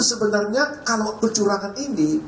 sebenarnya kalau kecurangan ini